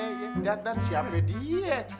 yang jatat siambe dia